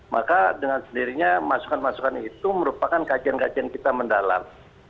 maka dengan sendirinya masukan masukan itu merupakan kajian kajian kita mendalam